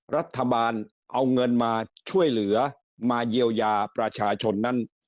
รัฐบาลเอาเงินมาช่วยเหลือมาเยียวยาประชาชนนั้น